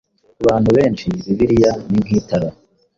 Ku bantu benshi Bibiliya ni nk’itara